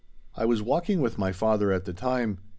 I was walking with my father at the time.